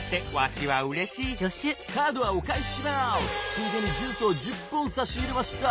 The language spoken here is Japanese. ついでにジュースを１０本さしいれました！」。